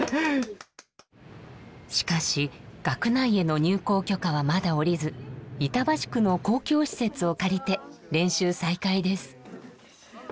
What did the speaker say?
しかし学内への入構許可はまだ下りず板橋区の公共施設を借りて練習再開です。